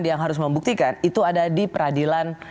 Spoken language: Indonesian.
yang harus membuktikan itu ada di peradilan